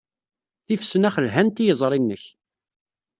Tifesnax lhant i yiẓri-nnek.